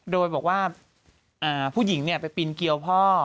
โดยบอกว่าผู้หญิงไปปีนเกียวพ่อ